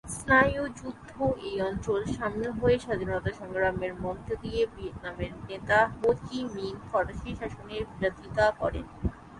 স্নায়ুযুদ্ধ এই অঞ্চল সামিল হয়ে স্বাধীনতা সংগ্রামের মধ্যে দিয়ে ভিয়েতনামের নেতা হো চি মিন ফরাসি শাসনের বিরোধিতা করেন।